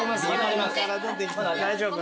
大丈夫？